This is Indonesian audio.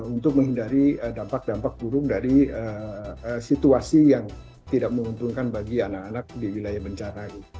untuk menghindari dampak dampak burung dari situasi yang tidak menguntungkan bagi anak anak di wilayah bencana